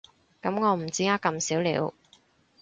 噉我唔止呃咁少了